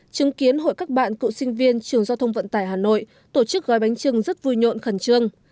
chứng kiến hội các bạn cựu sinh viên trường giao thông vận tải hà nội tổ chức gói bánh trưng rất vui nhộn khẩn trương